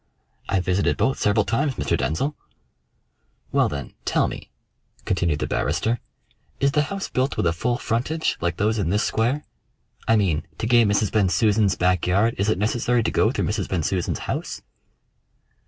"I've visited both several times, Mr. Denzil." "Well, then, tell me," continued the barrister, "is the house built with a full frontage like those in this square? I mean, to gain Mrs. Bensusan's back yard is it necessary to go through Mrs. Bensusan's house?"